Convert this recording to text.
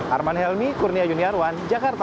arman helmi kurnia yuniarwan jakarta